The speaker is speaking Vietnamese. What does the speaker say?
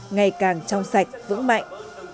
ngày càng trong sạch vững mạnh